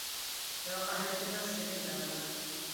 یوه قهرجنه سیلۍ راغله